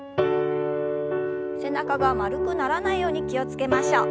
背中が丸くならないように気を付けましょう。